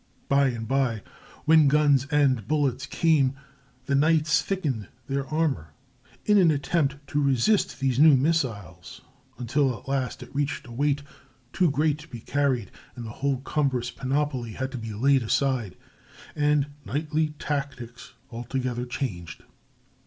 By and by, when guns and bullets came, the knights thickened their armor in an attempt to resist these new missiles, until at last it reached a weight too great to be carried, and the whole cumbrous panoply had to be laid aside, and knightly tactics altogether changed.